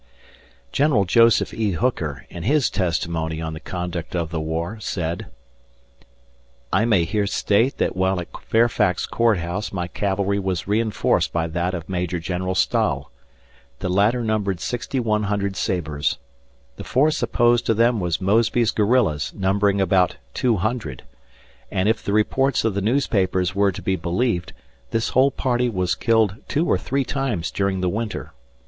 General Joseph E. Hooker, in his testimony on the conduct of the war, said: I may here state that while at Fairfax Court House my cavalry was reinforced by that of Major General Stahel. The latter numbered 6,100 sabres. ... The force opposed to them was Mosby's guerrillas, numbering about 200, and, if the reports of the newspapers were to be believed, this whole party was killed two or three times during the winter.